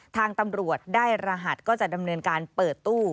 ทางตำรวจได้รหัสก็จะดำเนินการเปิดตู้